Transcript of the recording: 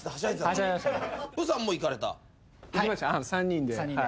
３人で。